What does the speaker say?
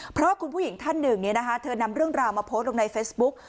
เพราะคุณผู้หญิงท่านหนึ่งเธอนำเรื่องราวมาโพสต์ลงในเฟซบุ๊ก